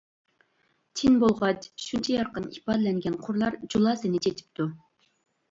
چىن بولغاچ شۇنچە يارقىن ئىپادىلەنگەن قۇرلار جۇلاسىنى چېچىپتۇ.